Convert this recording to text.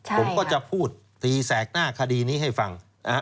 ผมก็จะพูดตีแสกหน้าคดีนี้ให้ฟังนะฮะ